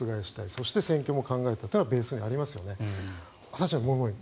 そして選挙も考えてというのはベースにありますよね。